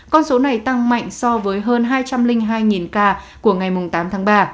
con số này tăng mạnh so với hơn hai trăm linh hai ca của ngày tám tháng ba